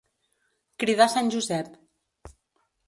Cridar sant Josep.